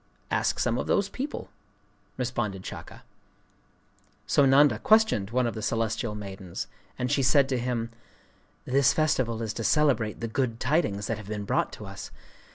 'Ask some of those people,' responded Shaka. So Nanda questioned one of the celestial maidens; and she said to him:—'This festival is to celebrate the good tidings that have been brought to us.